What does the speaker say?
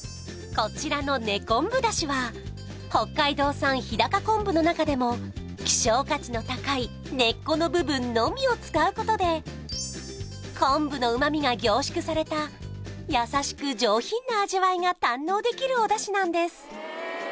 こちらの根昆布だしは北海道産日高昆布の中でも希少価値の高い根っこの部分のみを使うことで昆布のうま味が凝縮された優しく上品な味わいが堪能できるお出汁なんです